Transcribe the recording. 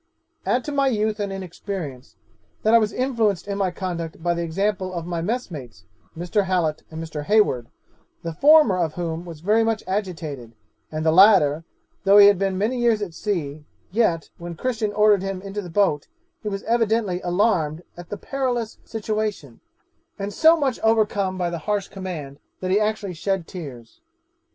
'Add to my youth and inexperience, that I was influenced in my conduct by the example of my messmates, Mr. Hallet and Mr. Hayward, the former of whom was very much agitated, and the latter, though he had been many years at sea, yet, when Christian ordered him into the boat, he was evidently alarmed at the perilous situation, and so much overcome by the harsh command, that he actually shed tears.